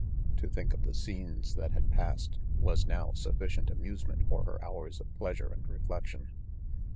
To think of the scenes that had past, was now, sufficient amuse ment for her hours of pleasure and reflection.